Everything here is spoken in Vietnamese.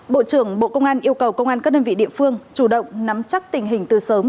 bộ trưởng bộ công an yêu cầu công an các đơn vị địa phương chủ động nắm chắc tình hình từ sớm